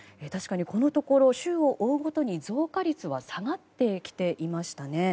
確かにこのところ週を追うごとに増加率は下がってきていました。